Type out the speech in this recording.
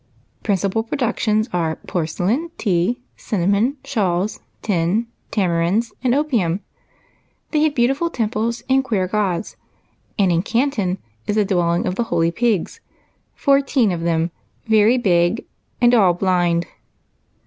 Principal productions are porcelain, tea, cinnamon, shawls, tin, tamarinds, and opium. They have beautiful temples and queer gods ; and in Canton is the Dwelling of the Holy Pigs, fourteen of them, very big, and all blind."